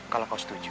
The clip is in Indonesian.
kalau kau setuju